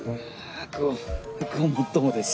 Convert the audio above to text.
ごごもっともです。